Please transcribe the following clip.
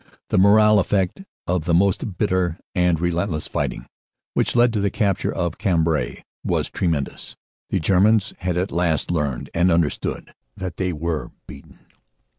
The moral effect of the most bitter and relentless fighting which led to the capture of Cambrai was tremendous. The Germans had at last learned and understood that they were beaten."